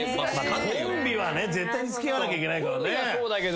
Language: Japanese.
コンビはね絶対に付き合わなきゃいけないからね。